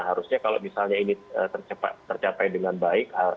harusnya kalau misalnya ini tercapai dengan baik